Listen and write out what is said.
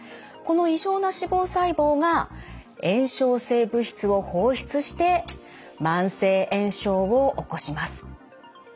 この異常な脂肪細胞が炎症性物質を放出して慢性炎症を起こします。